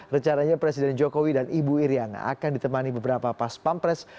recaranya presiden jokowi dan ibu iryana akan ditemani beberapa pas pampres